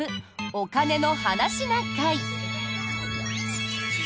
「お金の話な会」。